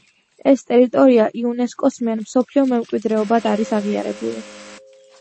ეს ტერიტორია იუნესკოს მიერ მსოფლიო მემკვიდრეობად არის აღიარებული.